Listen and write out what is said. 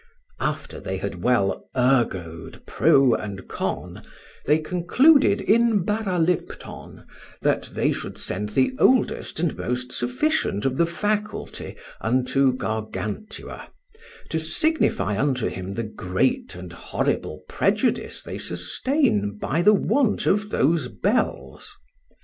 After they had well ergoted pro and con, they concluded in baralipton, that they should send the oldest and most sufficient of the faculty unto Gargantua, to signify unto him the great and horrible prejudice they sustain by the want of those bells.